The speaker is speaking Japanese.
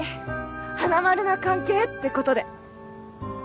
花丸な関係ってことで